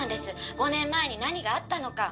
「５年前に何があったのか」